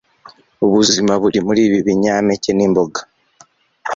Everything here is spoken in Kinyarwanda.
Ubuzima buri muri ibi binyampeke nimboga